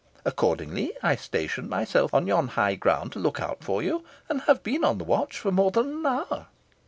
Accordingly I stationed myself on yon high ground to look out for you, and have been on the watch for more than an hour."